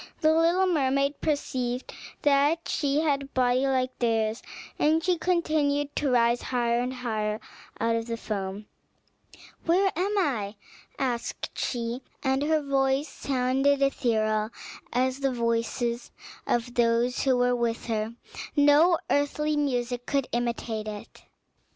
The little mermaid perceived that she had a body like theirs, and that she continued to rise higher and higher out of the foam. "Where am I?" asked she, and her voice sounded ethereal, as the voice of those who were with her; no earthly music could imitate it.